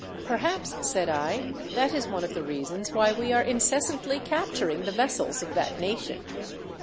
Perhaps," said I, "that is one of the reasons why we are incessantly capturing the vessels of that nation."